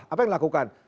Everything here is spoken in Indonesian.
apa yang dilakukan